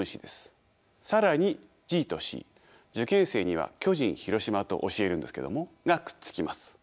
更にＧとＣ受験生には巨人広島と教えるんですけどもがくっつきます。